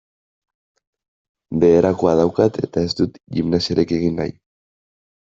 Beherakoa daukat eta ez dut gimnasiarik egin nahi.